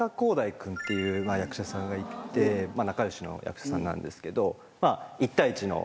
君っていう役者さんがいて仲良しの役者さんなんですけど。